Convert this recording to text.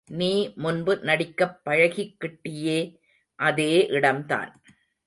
நீ முன்பு நடிக்கப் பழகிக்கிட்டியே அதே இடம்தான்.